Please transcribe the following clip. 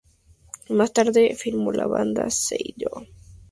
Más tarde formó su banda, "Zydeco Cha-Cha", con la que permanece en la actualidad.